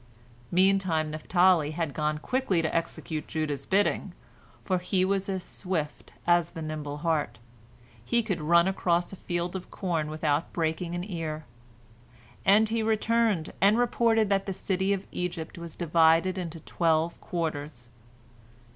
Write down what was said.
Meantime Naphtali had gone quickly to execute Judah's bidding, for he was as swift as the nimble hart, he could run across a field of corn without breaking an ear. And he returned and reported that the city of Egypt was divided into twelve quarters.